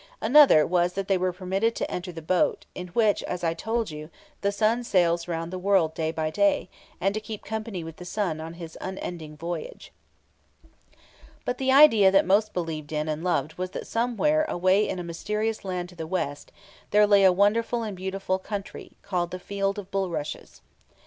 Another was that they were permitted to enter the boat, in which, as I told you, the sun sails round the world day by day, and to keep company with the sun on his unending voyage. But the idea that most believed in and loved was that somewhere away in a mysterious land to the west, there lay a wonderful and beautiful country, called the Field of Bulrushes.